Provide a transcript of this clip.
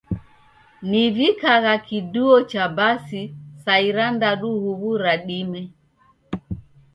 Nivikagha kiduo cha basi saa irandadu huw'u ra dime.